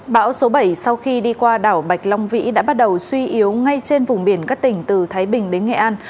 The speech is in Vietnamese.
bão số bảy sau khi đi qua đảo bạch long vĩ đã bắt đầu suy yếu ngay trên vùng biển các tỉnh từ thái bình đến nghệ an